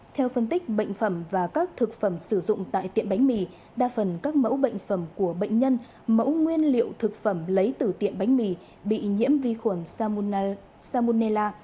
theo phân tích bệnh phẩm và các thực phẩm sử dụng tại tiệm bánh mì đa phần các mẫu bệnh phẩm của bệnh nhân mẫu nguyên liệu thực phẩm lấy từ tiệm bánh mì bị nhiễm vi khuẩn salmonella